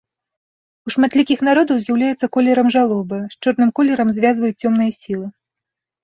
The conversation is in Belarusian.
У шматлікіх народаў з'яўляецца колерам жалобы, з чорным колерам звязваюць цёмныя сілы.